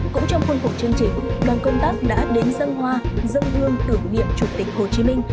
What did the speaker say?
cũng trong khuôn khổ chương trình đoàn công tác đã đến dân hoa dân hương tưởng niệm chủ tịch hồ chí minh